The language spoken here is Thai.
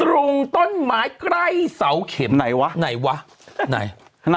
ตรงต้นไม้ใกล้เสาเข็มไหนวะไหนวะไหน